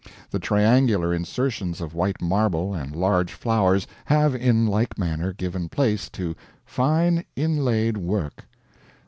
The triangular insertions of white marble and large flowers have in like manner given place to fine inlaid work.